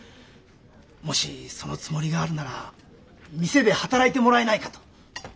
もしそのつもりがあるなら店で働いてもらえないかと。